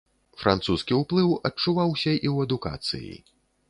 Французскі ўплыў адчуваўся і ў адукацыі.